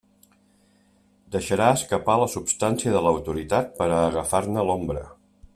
Deixarà escapar la substància de l'autoritat per a agafar-ne l'ombra.